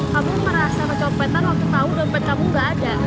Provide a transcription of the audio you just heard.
kamu merasa kecompetan waktu tahu dompet kamu gak ada